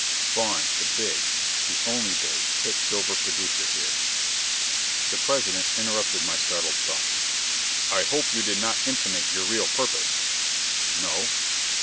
Spawn, the big the only big quicksilver producer here! The President interrupted my startled thoughts. "I hope you did not intimate your real purpose?" "No."